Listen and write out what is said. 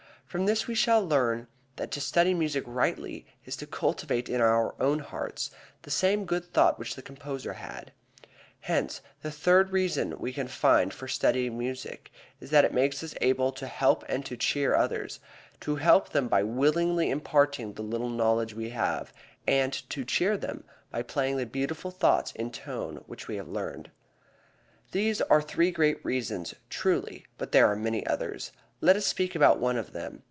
From this we shall learn that to study music rightly is to cultivate in our own hearts the same good thought which the composer had. Hence the third reason we can find for studying music is that it makes us able to help and to cheer others, to help them by willingly imparting the little knowledge we have, and to cheer them by playing the beautiful thoughts in tone which we have learned. These are three great reasons, truly, but there are many others. Let us speak about one of them.